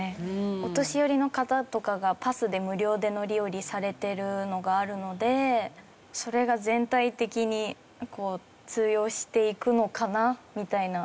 お年寄りの方とかがパスで無料で乗り降りされてるのがあるのでそれが全体的に通用していくのかなみたいな。